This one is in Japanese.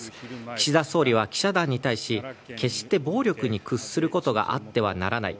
岸田総理は記者団に対し決して暴力に屈することがあってはならない。